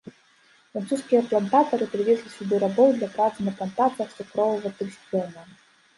Французскія плантатары прывезлі сюды рабоў, для працы на плантацыях цукровага трыснёга.